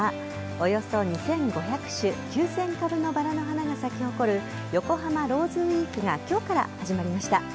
およそ２５００種９０００株のバラの花が咲き誇る横浜ローズウィークが今日から始まりました。